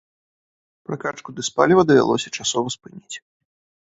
Пракачку дызпаліва давялося часова спыніць.